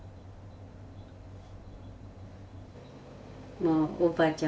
もうおばあちゃん